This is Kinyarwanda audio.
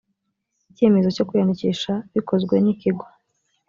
icyemezo cyo kwiyandikisha bikozwe n ikigo